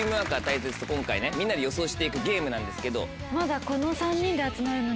今回みんなで予想して行くゲームなんですけど。